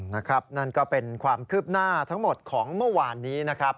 นั่นก็เป็นความคืบหน้าทั้งหมดของเมื่อวานนี้นะครับ